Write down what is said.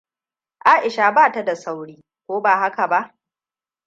Aisha ba ta da sauri, ko ba haka ba?